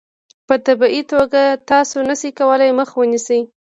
په طبیعي توګه تاسو نشئ کولای مخه ونیسئ.